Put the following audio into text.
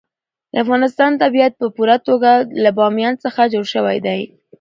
د افغانستان طبیعت په پوره توګه له بامیان څخه جوړ شوی دی.